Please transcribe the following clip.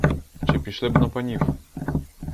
Чи пішли б на панів?